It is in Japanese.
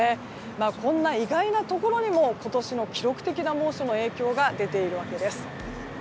こんな意外なところにも今年の記録的な猛暑の影響が出ているわけです。